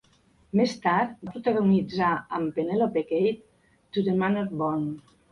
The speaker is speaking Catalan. Més tard va protagonitzar, amb Penelope Keith, "To the Manor Born".